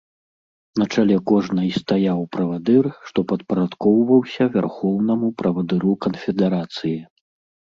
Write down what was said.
На чале кожнай стаяў правадыр, што падпарадкоўваўся вярхоўнаму правадыру канфедэрацыі.